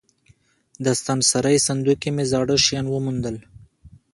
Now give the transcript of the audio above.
د ستنسرۍ صندوق کې مې زاړه شیان وموندل.